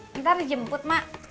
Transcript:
kita harus jemput mak